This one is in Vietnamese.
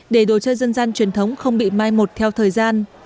để đồ chơi dân gian truyền thống không bị mai một theo thời gian